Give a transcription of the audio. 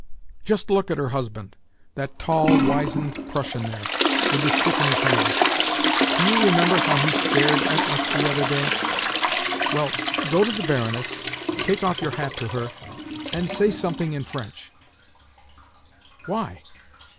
Just look at her husband—that tall, wizened Prussian there, with the stick in his hand. Do you remember how he stared at us the other day? Well, go to the Baroness, take off your hat to her, and say something in French." "Why?"